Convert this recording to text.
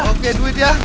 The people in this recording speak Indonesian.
oke duit ya